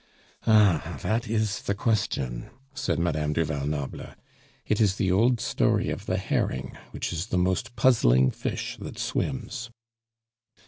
"Ah, that is the question!" said Madame du Val Noble. "It is the old story of the herring, which is the most puzzling fish that swims."